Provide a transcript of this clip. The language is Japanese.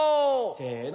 せの。